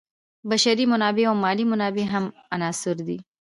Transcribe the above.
بشري منابع او مالي منابع هم عناصر دي.